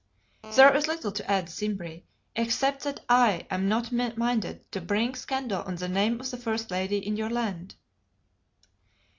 "There is little to add, Simbri, except that I am not minded to bring scandal on the name of the first lady in your land."